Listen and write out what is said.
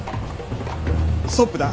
ストップだ。